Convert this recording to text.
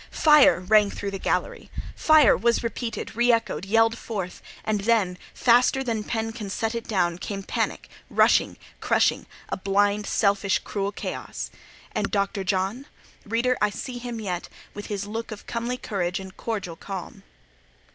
"Fire!" rang through the gallery. "Fire!" was repeated, re echoed, yelled forth: and then, and faster than pen can set it down, came panic, rushing, crushing—a blind, selfish, cruel chaos. And Dr. John? Reader, I see him yet, with his look of comely courage and cordial calm.